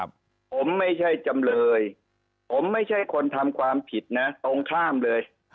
ผมไม่ใช่จำเลยผมไม่ใช่คนทำความผิดนะตรงข้ามเลย